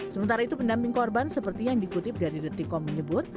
sementara itu pendamping korban seperti yang dikutip dari detikom menyebut